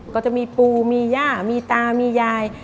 ก็จะมีปูมีย่ามีตามียาย